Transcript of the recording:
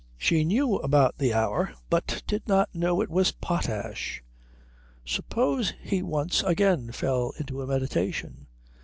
She knew about the hour, but did not know it was potash. Suppose he once again fell into a meditation?